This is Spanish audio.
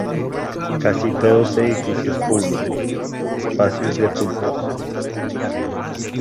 Casi todos edificios públicos, espacios de cultos.